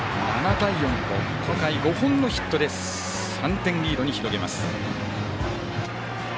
対４とこの回５本のヒットで３点リードに広げます。